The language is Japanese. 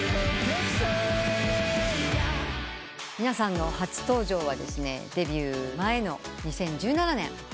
皆さんの初登場はデビュー前の２０１７年。